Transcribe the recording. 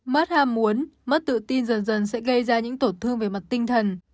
mất ham muốn mất tự tin dần dần sẽ gây ra những tổn thương về mặt tinh thần